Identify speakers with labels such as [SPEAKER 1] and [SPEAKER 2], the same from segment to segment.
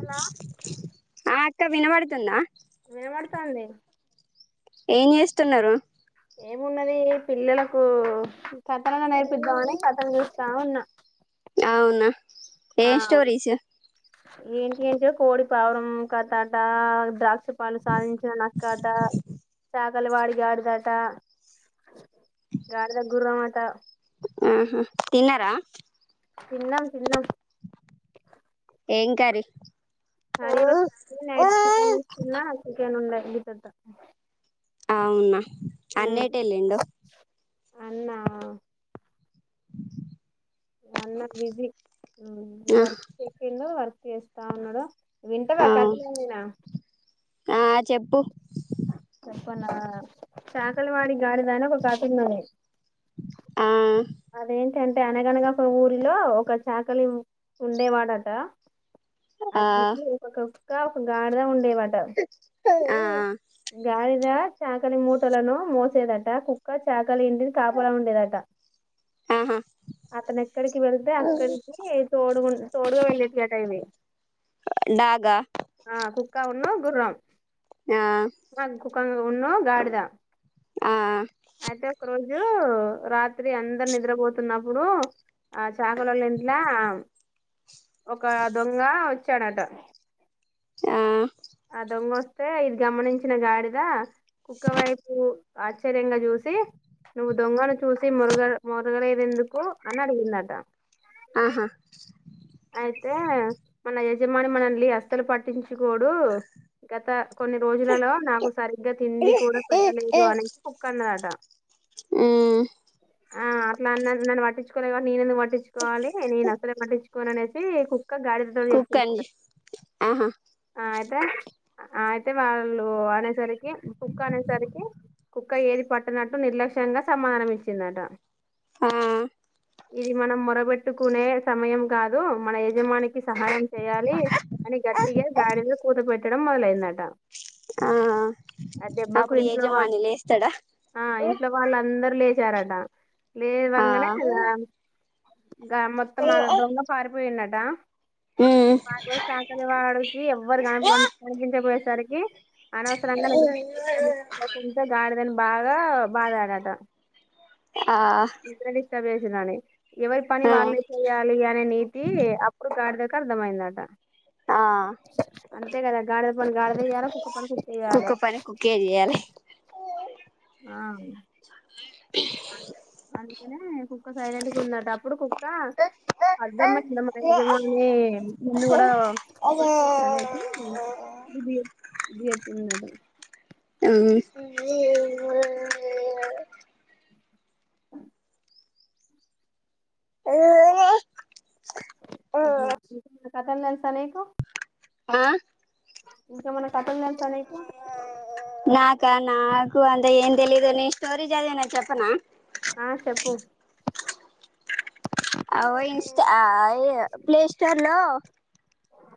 [SPEAKER 1] Hello
[SPEAKER 2] ఆ అక్క వినవడు. నన్నా
[SPEAKER 1] వినవడతంది.
[SPEAKER 2] ఏం చేస్తున్నారు.
[SPEAKER 1] ఏమున్నది పిల్లలకు, కథలన్నా నేర్పిద్దామని కథలు చూస్తా ఉన్న.
[SPEAKER 2] అవునా ఏమ్ స్టోరీస్
[SPEAKER 1] ఏంటి ఏంటియో కోడి పావురం కథ అట ద్రాక్ష. వాళ్ళు సాధించిన నక్కట. కలవారి గాడిదట గాడిద గుర్రమటా
[SPEAKER 2] ఉహు తిన్నారా
[SPEAKER 1] తిన్నాం తిన్నాం
[SPEAKER 2] ఏం కర్రీ
[SPEAKER 1] కర్రీ వచ్చేసి నైట్ చికెన్ తిన్నా చికెన్ ఉండది అయ్యేతంతా
[SPEAKER 2] అవునా అన్న ఎటెల్లిండు
[SPEAKER 1] అన్నా అన్న బిజీ వర్క్ చేసిండు ఆ చేస్తా ఉన్నాడు వింటావా
[SPEAKER 2] ఆ అవును
[SPEAKER 1] కథమైన
[SPEAKER 2] ఆ చెప్పు
[SPEAKER 1] చెప్పనా చాకలివాడి గాడిద అనే ఒక కథ ఉన్నది
[SPEAKER 2] ఆమ్
[SPEAKER 1] అదేం ఏంటంటే అనగనగా ఒక ఊరిలో ఒక చాకలి ఉండేవాడట
[SPEAKER 2] ఆ
[SPEAKER 1] అది ఒక ఇంకా ఒక గాడిద ఉం ఉండేవట
[SPEAKER 2] ఆ
[SPEAKER 1] గాడిద చాకలి మూటలను మోసేదట కుక్క చాకలి ఇంటిని కాపలా ఉండేదట
[SPEAKER 2] ఆహా
[SPEAKER 1] అతను ఎక్కడికి వెళ్తే అక్కడికి తోడుగా తోడుగా వెళ్ళదిట ఇది
[SPEAKER 2] డాగా
[SPEAKER 1] ఆ కుక్క ఉన్న గుర్రం
[SPEAKER 2] ఆ
[SPEAKER 1] [unintelligible] ఉన్నో గాడిద
[SPEAKER 2] ఆ
[SPEAKER 1] అయితే ఒక రోజు రాజు రాత్రి అందరు నిద్రపోతున్నప్పుడు ఆ చాకలల ఇంట్లో ఒక దొంగ చాడట
[SPEAKER 2] ఆ
[SPEAKER 1] ఆ దొంగ వస్తే ఇది గమనించిన గాడిద కుక్కవైపు ఆశ్చర్యంగా చూసి నువ్వు దొంగను చూసి మొరగలేద ఎందుకు అని అడిగిందట
[SPEAKER 2] ఆహ
[SPEAKER 1] అయితే మన యజమాని మనల్ని అస్సలు పట్టించుకోడు గత కొన్ని రోజులలో నాకు సరిగ్గా తిండి కూడా పెట్టలేదు అనేది కుక్క అన్నదట
[SPEAKER 2] మ్మ్
[SPEAKER 1] ఆ అట్లన్నది. నన్ను పట్టించుకోలేదు కాబట్టి నేనెందుకు పట్ పట్టిచ్చుకోవాలి నేనసలే పట్టిచ్ కోననేసి కు క్క గాడిదతో
[SPEAKER 2] కుక్ అని
[SPEAKER 1] చెప్పిందట
[SPEAKER 2] ఆహా
[SPEAKER 1] ఆ తె అయితే వాళ్ళు అనేసరికి, కుక్క అనేసరికి, కుక్క ఏది పట్టనట్టు నిర్లక్ష్యంగా సమాధానం ఇచ్చిందట.
[SPEAKER 2] ఆ
[SPEAKER 1] ఇది మనం మొరబెట్టుకునే సమయం. కాదు మన యజమానికి సహాయం చెయాలి అని గట్టిగా గాడిద కూతబెట్ ట్టడం మొదలయిందట.
[SPEAKER 2] ఆ అప్పుడు
[SPEAKER 1] ఇంట్లో వాళ్ళ
[SPEAKER 2] యజమాని లేస్తాడా?
[SPEAKER 1] లెచారట.
[SPEAKER 2] ఆ
[SPEAKER 1] లేవంగనే ఇంగ గా మొత్తం ఆ దొంగం పోయిన్నటా
[SPEAKER 2] మ్మ్
[SPEAKER 1] వాని కూడా చాకల వాడికి ఎవ్వరు కనపడని కనిపించబోయేసరికి అనవసరంగా [unintelligible] నవ్కుంట గాడిదని బాగ తో బాదాడట.
[SPEAKER 2] ఆ
[SPEAKER 1] నిద్ర డిస్టర్బ్ చెయ్ సిందని ఎవరి పని
[SPEAKER 2] ఆ
[SPEAKER 1] వాళ్ళే చేయాలి అనే నీ కి అప్పుడు గాడిద కి అర్థమయిందట.
[SPEAKER 2] ఆ
[SPEAKER 1] తె కద గాడ పని గాడిద చెయ్యాలా కుక్క పని కుక్క చేయాలె.
[SPEAKER 2] పని కుక్కే చేయాలి
[SPEAKER 1] అందుకనే కుక్క సైలెంట్గుందట. అప్పుడు కుక్క, అర్ధమైంద మన
[SPEAKER 2] ఆ
[SPEAKER 1] యజమాని నిన్ను కూడ కొట్టేచ్చ అనేసి బుద్ది చెప్ బుద్ది చెప్పిందట.
[SPEAKER 2] అ మ ఏనా
[SPEAKER 1] అట్లా [unintelligible] కథల్ తెల్సా నీకు?
[SPEAKER 2] ఆ
[SPEAKER 1] ఇంకా మన కథలు తెలుసా నీకు
[SPEAKER 2] నాకా నాకు అన్ త ఏం తెలీదు నేన్ స్టోరీ చదివిన చెప్పనా?
[SPEAKER 1] ఆ షెప్పు.
[SPEAKER 2] అ ఇన్స్టా ఏ ప్లే స్టోర్ లో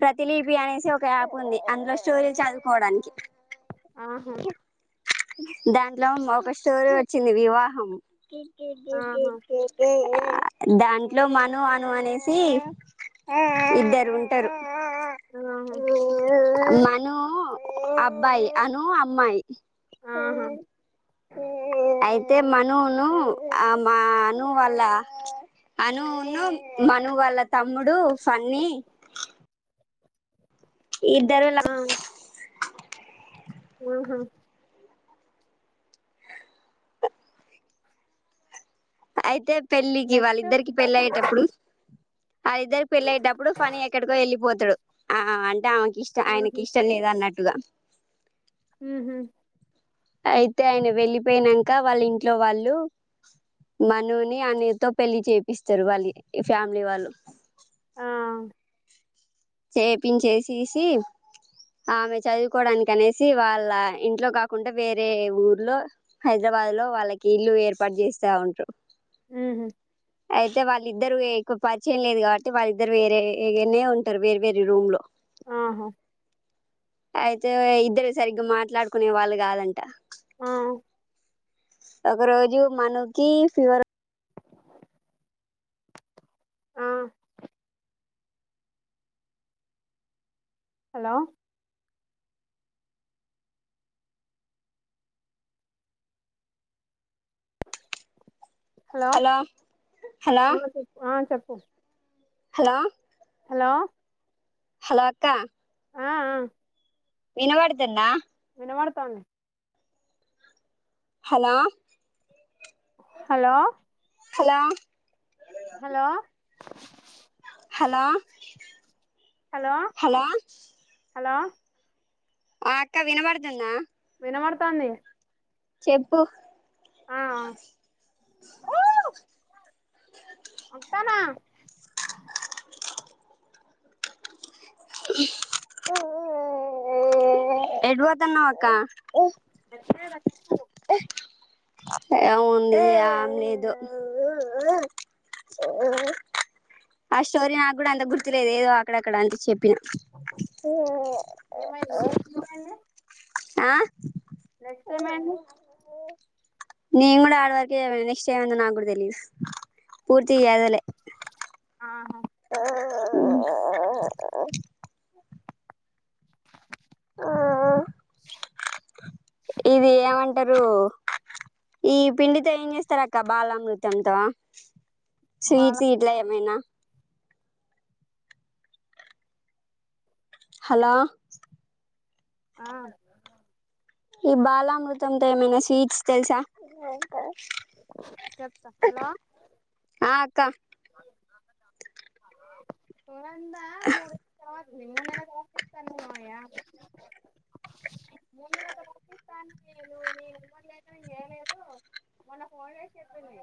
[SPEAKER 2] ప్రతి లిపి అనేసి ఒక యాప్ ఉంది అందులో స్టోరీ చదువుకోవడానికి
[SPEAKER 1] ఆహా
[SPEAKER 2] దాంట్లో ఒక స్టోరీ వచ్చింది వివాహం గి
[SPEAKER 1] ఆహా
[SPEAKER 2] చేతే దాంట్లో మను అను అనేసి ఇద్దరు ఉంట టరు
[SPEAKER 1] ఆహా
[SPEAKER 2] మను అబ్బాయి అను అమ్మాయి
[SPEAKER 1] ఆహా
[SPEAKER 2] అయితే మనువును ఆ మా అను వల్ల అనువును మను వల్ల తమ్ముడు ఫన్నీ ఇద్దరు
[SPEAKER 1] ఆహ
[SPEAKER 2] అయితే పెళ్ళికి ఇ వాళ్ళ
[SPEAKER 1] నెక్స్ట్
[SPEAKER 2] ఇద్దరికి పెళ్ళి అయ్యేటప్పుడు అది ఇద్దరి పెళ్లియ్యేప్పుడు ఫనీ ఎక్కడికో వెళ్ళిపోతుంది అంటే ఇష్ట ఆయనకి
[SPEAKER 1] ఆహా
[SPEAKER 2] ఇష్టం లేదు అన్నట్టు ఇదా
[SPEAKER 1] ఊ హ్మ్
[SPEAKER 2] అయితే ఆయన వెళ్లిపోనాక వాళ్ళ ఇంట్లో వాళ్ళు మనుని అని తో పెళ్లి చేపిస్తారు వాళ్ళ ఫ్యామిలీ వాళ్ళు
[SPEAKER 1] ఆ
[SPEAKER 2] చేపించేసేసి ఆమె చదువుకోవడానికి అనేసి వాళ్ళ ఇంట్లో కాకుండా వేరే ఊర్లో హైదరాబాద్ లో వాళ్ళకి ఇల్లు ఏర్పాటు చేస్తా ఉంటారు
[SPEAKER 1] హ్మ్
[SPEAKER 2] అయితే వాళ్ళిద్దరు ఎక్కువ పరిచయం లేదు కాబట్టి వాళ్ళిద్దరు వేరే ఉ వేర్ వేరె రూమ్ లో
[SPEAKER 1] ఆహో
[SPEAKER 2] అయితే ఇద్దరు సరిగ్గా మాట్లాడుకునే వాళ్ళు కాదంట
[SPEAKER 1] ఆ
[SPEAKER 2] ఒక రోజు మను కి ఫీవర్
[SPEAKER 1] ఆ హలో హలో
[SPEAKER 2] హలో
[SPEAKER 1] అ చెప్పు
[SPEAKER 2] హలో
[SPEAKER 1] హలో
[SPEAKER 2] హలో అక్క
[SPEAKER 1] ఆ ఆ
[SPEAKER 2] వినబడతందా
[SPEAKER 1] వినబడుతాంది
[SPEAKER 2] hello
[SPEAKER 1] hello
[SPEAKER 2] hello
[SPEAKER 1] hello
[SPEAKER 2] hello
[SPEAKER 1] hello
[SPEAKER 2] hello
[SPEAKER 1] hello
[SPEAKER 2] ఆ అక్క వినపడుతుందా
[SPEAKER 1] వినబడుతాంది
[SPEAKER 2] చెప్పు
[SPEAKER 1] ఆ ఆ ఊ వత్తాన్న
[SPEAKER 2] ఎటు పోతన్నావ్ అక్క
[SPEAKER 1] నెక్స్ట్
[SPEAKER 2] ఏముంది ఆం లేదు ఆ స్టోరీ నాకు కూడా అంత గుర్తు లేదు ఏదో అక్కడక్కడ అంతే చెప్పిన
[SPEAKER 1] ఏమైంది ఏమైంది?
[SPEAKER 2] ఆ
[SPEAKER 1] నెక్స్ట్ ఏమైంది
[SPEAKER 2] నేను కూడా ఆడ వరకే చదివిన నెక్స్ట్ ఎమైందో నాగుడా తెలీదు పూర్తిగ చదవాలె
[SPEAKER 1] ఆహా
[SPEAKER 2] ఆ అంటారు ఈ పిండితో ఏం చేస్తరక్క బాలామృతంతో
[SPEAKER 1] వాళ్ళ
[SPEAKER 2] స్వీట్స్ ఇట్ల ఏమైనా హలో
[SPEAKER 1] ఆ
[SPEAKER 2] ఈ బాలామృతంతో ఏమైనా స్వీట్స్ తెల్సా
[SPEAKER 1] చెప్తా హలో
[SPEAKER 2] ఆ అక్క
[SPEAKER 1] ందా మూడు మూడు నెలకు పంపిస్తాను మాయ మూడు నెలకు పంపిస్తా నేను నేనుమ్మ చేయలేదు మొన్న ఫోన్ చేసి చెప్పింది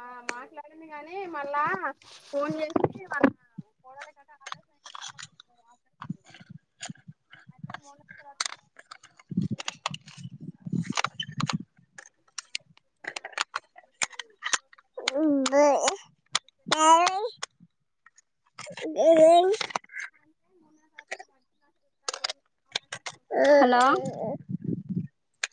[SPEAKER 1] ఆ మాట్లాడింది కాగానీ మళ్ళా ఫోన్ చేసి మ కోడ మూడు
[SPEAKER 2] ఏ
[SPEAKER 1] నెలల తర్వాత
[SPEAKER 2] హలో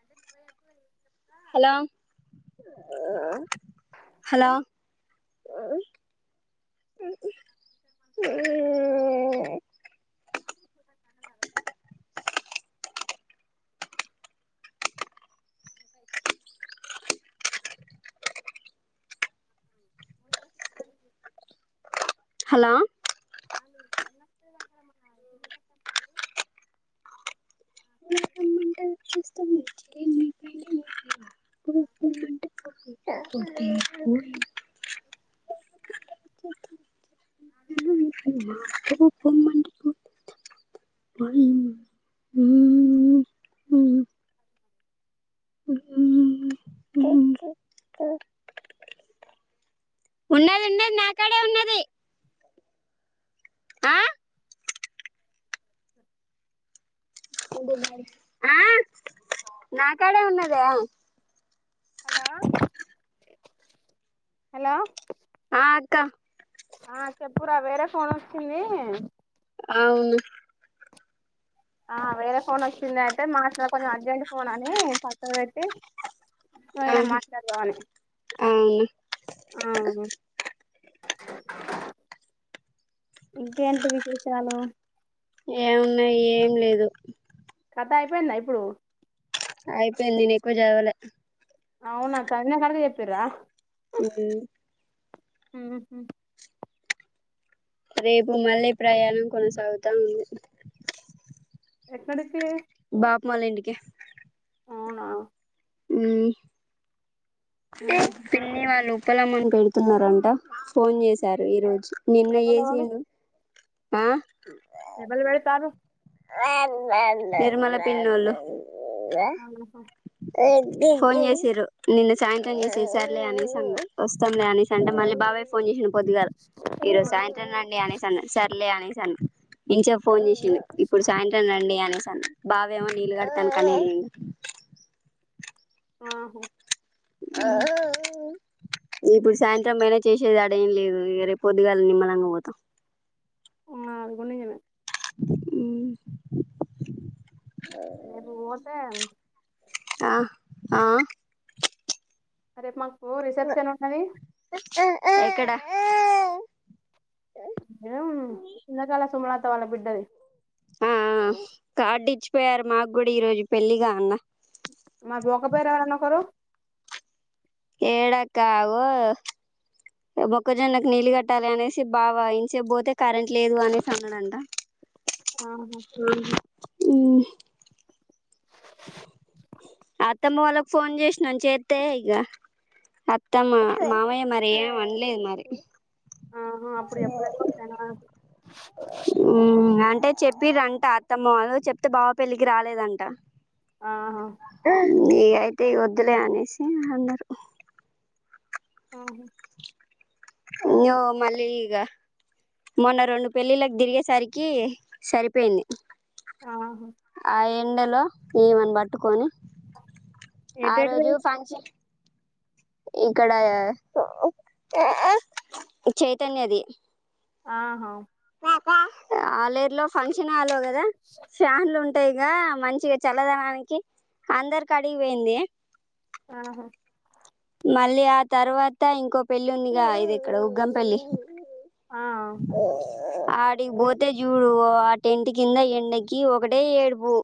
[SPEAKER 1] అది పోయ పో
[SPEAKER 2] హలో హలో
[SPEAKER 1] మాది చ కూడా కండవాల అ మ
[SPEAKER 2] హలో
[SPEAKER 1] ఆ మీరు జమస్త ద్క్కడ మన ఏందు కట్టం లేదు
[SPEAKER 2] [inaudible]
[SPEAKER 1] నను సరే
[SPEAKER 2] తను పోమంటే పొద హ
[SPEAKER 1] వ
[SPEAKER 2] ఉన్నది ఉన్నది నాకాడే ఉన్నది ఆ
[SPEAKER 1] అ
[SPEAKER 2] నా కాడే ఉన్నదా
[SPEAKER 1] హలో హలో
[SPEAKER 2] ఆ అక్క
[SPEAKER 1] ఆ చెప్పురా వేరే ఫోన్ వచ్చింది
[SPEAKER 2] అవును
[SPEAKER 1] ఆ వేరే ఫోన్ వచ్చింది అయితే మాట్లా కొంచెం అర్జెంట్ ఫోన్ అని పక్కన పెడితి
[SPEAKER 2] అ అవును
[SPEAKER 1] ఆ ఇంకేంటి విశేషాలు
[SPEAKER 2] ఏం ఉన్నాయి ఏం లేదు
[SPEAKER 1] కథ అయిపోయింద ఇప్పుడు
[SPEAKER 2] అయిపోయింది నేను ఎక్కువ చదవాలే
[SPEAKER 1] అవునాంత నిన్న కడది చెప్పిరా
[SPEAKER 2] అ
[SPEAKER 1] హ
[SPEAKER 2] రేపు మళ్ళీ ప్రయాణం కొనసాగుతా ఉంది
[SPEAKER 1] ఎక్కడికి
[SPEAKER 2] బాపుమాల ఇంటికిే
[SPEAKER 1] అవునా
[SPEAKER 2] ఈ
[SPEAKER 1] ఉహు
[SPEAKER 2] పిన్నీ వాళ చెక్కలమనుకు వెళ్తున్నారంట ఫోన్ చేశారు ఈ రోజు నిన్న
[SPEAKER 1] ఎవలు
[SPEAKER 2] చేసిండు ఆ
[SPEAKER 1] ఎ మల్ వెళి తారు
[SPEAKER 2] ఏరమల పిన్నోళ్ళు
[SPEAKER 1] అహ
[SPEAKER 2] ఫోన్ చేసారు నిన్న సాయంత్రం చేసే సార్లే అనేసాన్న వస్తాం లే అనేసా అంటే మళ్ళీ బాబాయ్ ఫోన్ చేసిన కొొద్దిగా ఈ రోజు
[SPEAKER 1] ఆ
[SPEAKER 2] సాయంత్రం అండి అనేశాను సర్లే అనేశాను ఇం చె ఫోన్ చేసిను ఇప్పుడు సాయంత్రం రండి అనేసిానీ బావేమో నీళ్ళు కడతానుకనీ వెళ్ంది
[SPEAKER 1] ఆహో
[SPEAKER 2] ఇప్పుడు సాయంత్రం అయినా చేసేది అడ ఏం లేదు రేపు పొద్దుగాల నిమ్మలంగా పోతాం
[SPEAKER 1] అదిగుణ నిజమే
[SPEAKER 2] అ
[SPEAKER 1] వాలు ఏమో పోతే
[SPEAKER 2] ఆ ఆ
[SPEAKER 1] రేపు మాకు ఓ రిసెప్షన్ ఉన్నది
[SPEAKER 2] ఎక్కడ
[SPEAKER 1] ఏ చిన్నకాల సుమలాత వాళ్ళ బిడ్డది
[SPEAKER 2] మ్మ్ మ్మ్ ఆ కార్డు ఇచ్చిపోయారు మాకు కూడా ఈ రోజు పెళ్లిిగా అన్న
[SPEAKER 1] మా బు క ప రవడా నక
[SPEAKER 2] ఏడా అక్క అగొ మొక్కజొన్నకు నీళ్ళు కట్టాలి అనేసి బాగాయించే పోతే కరెంట్ లేదు అనేసి అన్నాడంట
[SPEAKER 1] ఆహా
[SPEAKER 2] ఆ అ అత్తమ్మ వాళ్ళకు ఫోన్ చేసినాను చేస్త ఇక అత్తమ్మ మామయ్య మరి ఏం అనలేదు మరి
[SPEAKER 1] ఆహా అప్పుడు చెప్పలేదు కావచ్చు
[SPEAKER 2] అంటే చెప్ప పరంట అత్తమ్మ వాలు చెప్తే బావ పెళ్ళికి రాలేదంట
[SPEAKER 1] ఆహా
[SPEAKER 2] నీ అయితే వద్దులే అనేసి అన్నారు
[SPEAKER 1] ఆ
[SPEAKER 2] నువ్ మళ్ళీఇంకా మొన్న రెండు పెళ్ళిళ్ళలకు తిరిగేసరికి సరిపోయింది
[SPEAKER 1] ఆహా
[SPEAKER 2] అయి ఎండలో ఈమని పట్టుకొని ఆ
[SPEAKER 1] ఎటెటు
[SPEAKER 2] రోజు ఫంక్షన్ ఇక్కడ చైతన్యది
[SPEAKER 1] ఆహా
[SPEAKER 2] కా ఆలర్లో ఫంక్షన్ ఆలోగ దా ఫ్యాన్లు ఉంట పైగా మంచిగా చల్లదనానికి అందరికి అడిగిపోయింది
[SPEAKER 1] ఆహా
[SPEAKER 2] మళ్ళీ ఆ తర్వాత ఇంకో పెళ్లి ఉందిగా ఇది ఇక్కడ ఉగ్గంపళ్లి
[SPEAKER 1] ఆ
[SPEAKER 2] ఓ ఆడికి పోతే చూడు ఆ టెంట్ కింద ఎండకి ఒకటి ఒక్కటే ఏడుపు